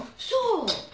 そう！